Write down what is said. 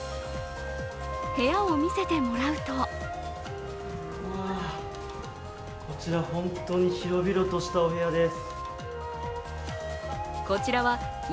部屋を見せてもらうとこちら本当に広々としたお部屋です。